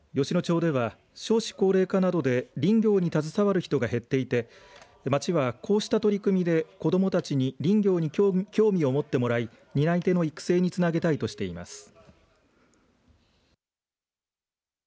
吉野町では少子高齢化などで林業に携わる人が減っていて町は、こうした取り組みで子どもたちに林業に興味をもってもらい担い手の育成につなげたいとしています。